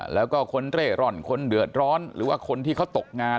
แล้วก็คนเร่ร่อนคนเดือดร้อนหรือว่าคนที่เขาตกงาน